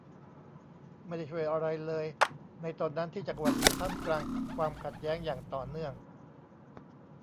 ไม่ได้ช่วยอะไรเลยในตอนนั้นที่จักรวรรดิอยู่ท่ามกลางความขัดแย้งอย่างต่อเนื่อง